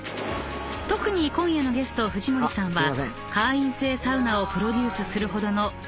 ［特に今夜のゲスト藤森さんは会員制サウナをプロデュースするほどのサウナ通］